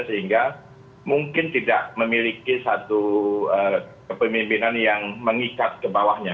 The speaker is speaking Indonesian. sehingga mungkin tidak memiliki satu kepemimpinan yang mengikat ke bawahnya